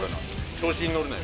調子に乗るなよ。